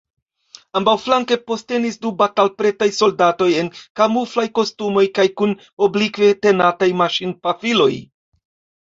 Ambaŭflanke postenis du batalpretaj soldatoj en kamuflaj kostumoj kaj kun oblikve tenataj maŝinpafiloj.